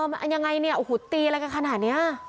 มันยังไงเนี่ยโอ้โหตีอะไรกันขนาดนี้